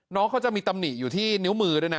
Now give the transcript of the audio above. น้องเขาจะมีตำหนิอยู่ที่นิ้วมือด้วยนะ